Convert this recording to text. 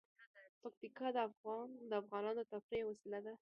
پکتیکا د افغانانو د تفریح یوه وسیله ده.